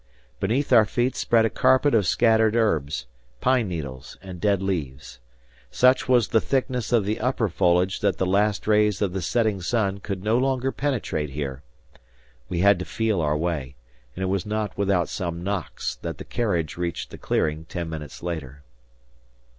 Beneath our feet spread a carpet of scattered herbs, pine needles and dead leaves. Such was the thickness of the upper foliage that the last rays of the setting sun could no longer penetrate here. We had to feel our way; and it was not without some knocks that the carriage reached the clearing ten minutes later.